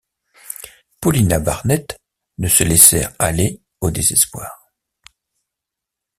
Paulina Barnett ne se laissèrent aller au désespoir.